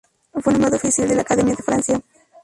Fue nombrado oficial de la Academia de Francia.